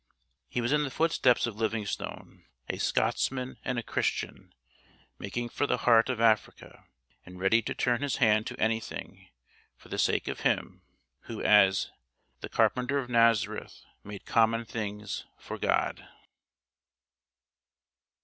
He was in the footsteps of Livingstone "a Scotsman and a Christian" making for the heart of Africa and "ready to turn his hand to anything" for the sake of Him who as "... the Carpenter of Nazareth Made common things for God."